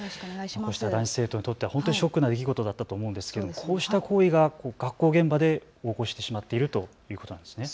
こうした男子生徒にとってはショックだったと思うんですけれどもこうした行為が学校現場で横行してしまっているということなんですね。